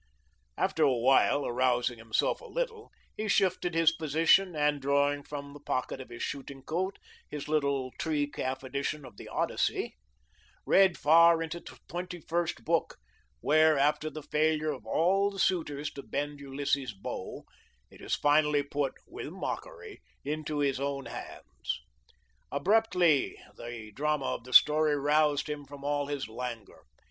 After a while, rousing himself a little, he shifted his position and, drawing from the pocket of his shooting coat his little tree calf edition of the Odyssey, read far into the twenty first book, where, after the failure of all the suitors to bend Ulysses's bow, it is finally put, with mockery, into his own hands. Abruptly the drama of the story roused him from all his languor.